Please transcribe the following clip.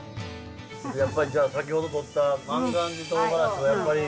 やっぱりじゃあ先ほどとった万願寺トウガラシをやっぱり。